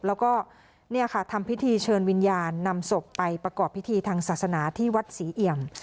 แล้วก็เนี่ยค่ะทำพิธีเชิญวิญญาณนำศพไปประกอบพิธีทางศาสนาที่วัดศรีเอี่ยม